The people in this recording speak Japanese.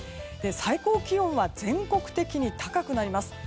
最高気温は全国的に高くなります。